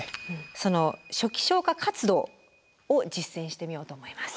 その初期消火活動を実践してみようと思います。